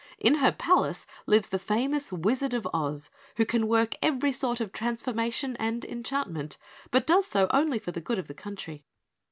In her palace lives the famous Wizard of Oz, who can work every sort of transformation and enchantment, but does so only for the good of the country."